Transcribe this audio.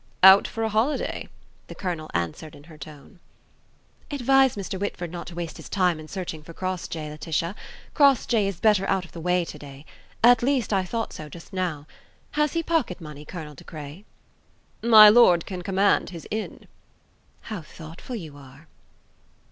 "Out for a holiday," the colonel answered in her tone. "Advise Mr. Whitford not to waste his time in searching for Crossjay, Laetitia. Crossjay is better out of the way to day. At least, I thought so just now. Has he pocket money, Colonel De Craye?" "My lord can command his inn." "How thoughtful you are!"